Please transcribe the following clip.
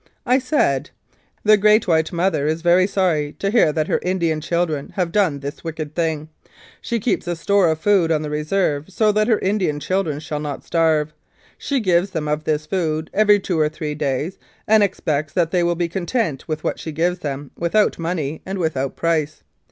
I said, "The Great White Mother is very sorry to hear that her Indian children have done this wicked thing. She keeps a store of food on the Reserve so that her Indian children shall not starve. She gives them of this food every two or three days, and expects that they will be content with what she gives them without money and without price.